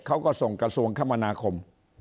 เขาก็ส่งกระทรวงคมนาคม